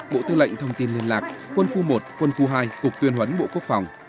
bộ tư lệnh thông tin liên lạc quân khu một quân khu hai cục tuyên huấn bộ quốc phòng